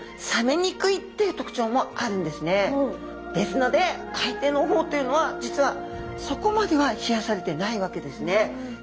ですので海底の方というのは実はそこまでは冷やされてないわけですね。